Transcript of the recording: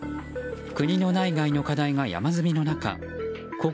国の内外の課題が山積みの中心